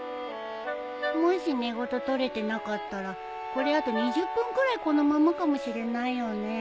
もし寝言とれてなかったらこれあと２０分くらいこのままかもしれないよね？